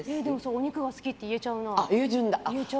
お肉が好きって言えちゃうな。